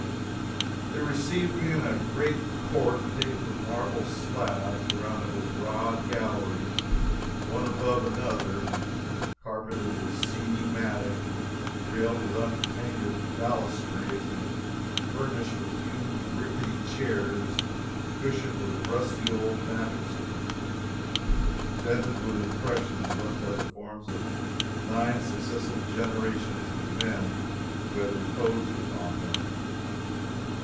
They received me in a great court, paved with marble slabs; around it were broad galleries, one above another, carpeted with seedy matting, railed with unpainted balustrades, and furnished with huge rickety chairs, cushioned with rusty old mattresses, indented with impressions left by the forms of nine successive generations of men who had reposed upon them.